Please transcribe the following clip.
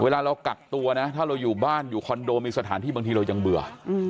เวลาเรากักตัวนะถ้าเราอยู่บ้านอยู่คอนโดมีสถานที่บางทีเรายังเบื่อ